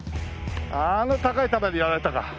あの高い球にやられたか。